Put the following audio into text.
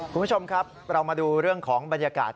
คุณผู้ชมครับเรามาดูเรื่องของบรรยากาศ